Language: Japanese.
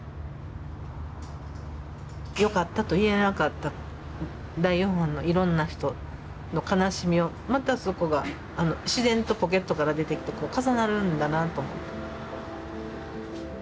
よかったと言えなかった第４波のいろんな人の悲しみをまたそこが自然とポケットから出て重なるんだなと。